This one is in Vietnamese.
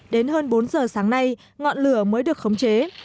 đến hơn bốn giờ sáng nay ngọn lửa mới được khống chế